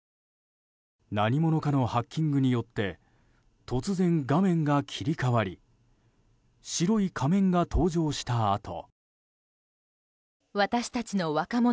何者かのハッキングによって突然、画面が切り替わり白い仮面が登場したあと。